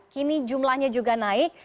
kini jumlahnya juga naik